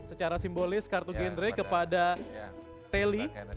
secara simbolis kartu gendre kepada telly